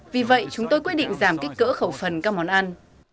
vì vậy chúng tôi quyết định giảm kích cỡ khẩu phần các món ăn